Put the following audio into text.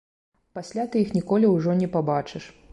Пасля ты іх ніколі ўжо не пабачыш.